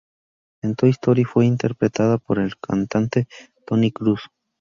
En Toy Story fue interpretada por el cantante Tony Cruz.